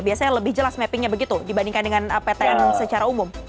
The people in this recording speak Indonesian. biasanya lebih jelas mappingnya begitu dibandingkan dengan ptn secara umum